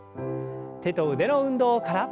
手と腕の運動から。